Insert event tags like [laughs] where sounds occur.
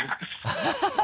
ハハハ [laughs]